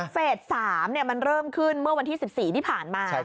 เฟส๓มันเริ่มขึ้นเมื่อวันที่๑๔ที่ผ่านมา